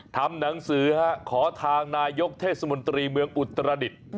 ทำหนังสือขอทางนายกเทศมนตรีเมืองอุตรดิษฐ์